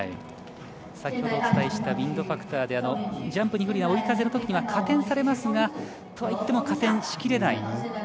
先ほどお伝えしたウインドファクターでジャンプに不利な追い風のときには加点されますがとはいっても加点しきれない。